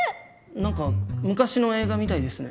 なんか昔の映画みたいですね。